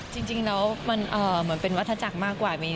จริงแล้วมันเหมือนเป็นวัฒนาจักรมากกว่า